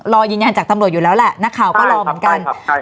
รอยืนยันจากตำลดอยู่แล้วแหละนักข่าวก็รอเหมือนกันใช่ครับใช่ครับ